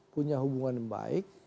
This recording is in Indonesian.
punya hubungan yang baik